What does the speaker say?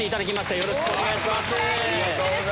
よろしくお願いします。